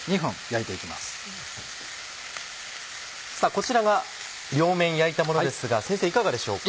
こちらが両面焼いたものですが先生いかがでしょうか？